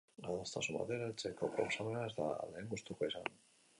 Adostasun batera heltzeko proposamena ez da aldeen gustukoa izan.